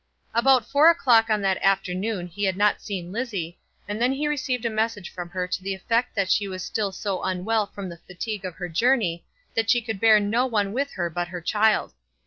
At four o'clock on that afternoon he had not seen Lizzie, and then he received a message from her to the effect that she was still so unwell from the fatigue of her journey that she could bear no one with her but her child.